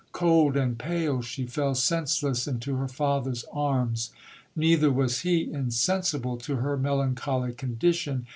Cold and pale, she fell senseless into her father's arms. Neither was he insensible to her melancholy condition.